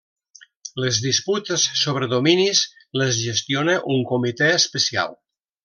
Les disputes sobre dominis les gestiona un comitè especial.